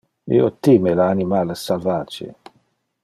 Io time le animales salvage.